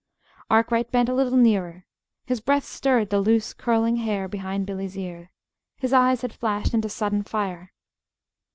Arkwright bent a little nearer. His breath stirred the loose, curling hair behind Billy's ear. His eyes had flashed into sudden fire.